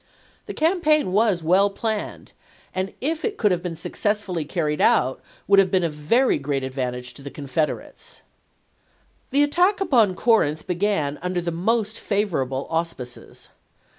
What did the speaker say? The campaign was well planned, and if it could have been successfully carried out would have been of very great advantage to the Confederates. Oct. 3, 1863. The attack upon Corinth began under the most favorable auspices.